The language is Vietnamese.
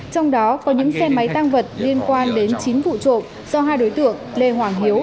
trong đó có những xe máy tăng vật liên quan đến chín vụ trộm do hai đối tượng lê hoàng hiếu